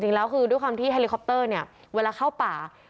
จริงแล้วคือด้วยความที่เฮลิคอปเตอร์เนี่ยเวลาเข้าป่า